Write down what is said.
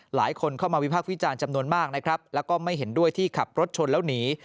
หลายคนเข้ามาวิพากษ์วิจารณ์จำนวนมากนะครับแล้วก็ไม่เห็นด้วยที่ขับรถชนแล้วหนี